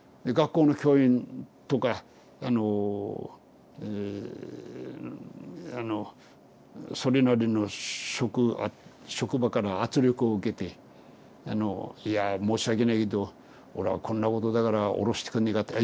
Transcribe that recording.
学校の教員とかあのえあのそれなりの職場から圧力を受けて「いやぁ申し訳ないけどおらこんなことだから降ろしてくんねぇか」。